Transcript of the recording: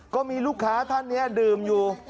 ก็มีลูกค้าท่านนี้ดื่มอยู่